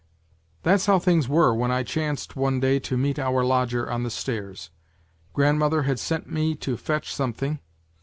" That's how things were when I chanced one day to meet our lodger on the stairs. Grandmother had sent me to fetch something.